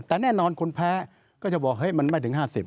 แต่แน่นอนคนแพ้ก็จะบอกเฮ้ยมันไม่ถึง๕๐